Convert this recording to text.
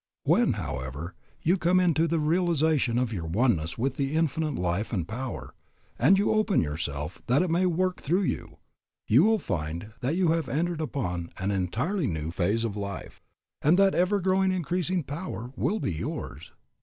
When, however, you come into the realization of your oneness with the Infinite Life and Power, and open yourself that it may work through you, you will find that you have entered upon an entirely new phase of life, and that an ever increasing power will be yours.